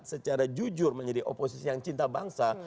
secara jujur menjadi oposisi yang cinta bangsa